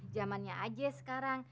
jamannya aja sekarang